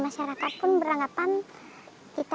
masyarakat juga beranggapan kita itu tidak sakit